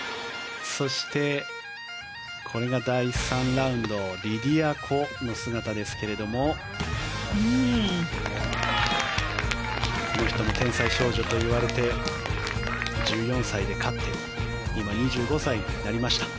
そしてこれが第３ラウンドリディア・コの姿ですがこの人も天才少女といわれて１４歳で勝って今、２５歳になりました。